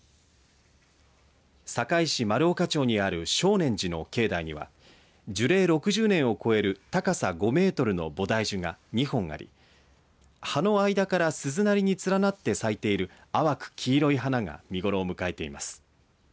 坂井市丸岡町にある称念寺の境内には樹齢６０年を超える高さ５メートルのボダイジュが２本あり葉の間から鈴なりになって咲いている淡く黄色い花が見頃を迎えています。